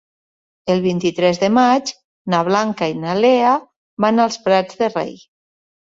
El vint-i-tres de maig na Blanca i na Lea van als Prats de Rei.